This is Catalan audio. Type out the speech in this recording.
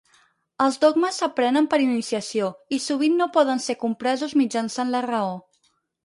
Els dogmes s'aprenen per iniciació, i sovint no poden ser compresos mitjançant la raó.